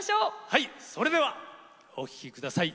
はいそれではお聴きください